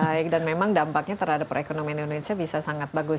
baik dan memang dampaknya terhadap perekonomian indonesia bisa sangat bagus